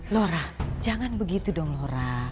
laura jangan begitu dong laura